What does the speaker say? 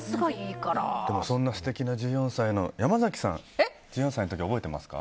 そんな素敵な１４歳の山崎さん、１４歳の時覚えてますか？